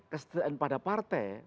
kesejahteraan pada partai